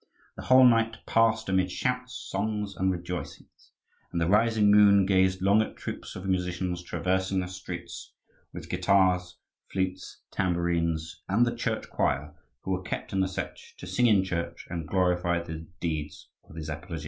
The whole night passed amid shouts, songs, and rejoicings; and the rising moon gazed long at troops of musicians traversing the streets with guitars, flutes, tambourines, and the church choir, who were kept in the Setch to sing in church and glorify the deeds of the Zaporozhtzi.